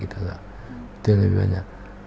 itu lebih banyak